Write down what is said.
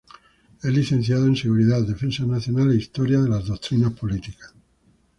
Es licenciado en Seguridad, Defensa Nacional e Historia de las Doctrinas Políticas.